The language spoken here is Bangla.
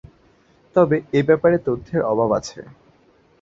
তবে এ ব্যাপারে তথ্যের অভাব আছে।